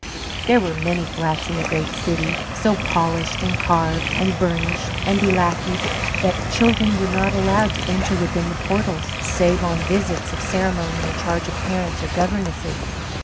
There were many flats in the great city, so polished and carved and burnished and be lackeyed that children were not allowed to enter within the portals, save on visits of ceremony in charge of parents or governesses.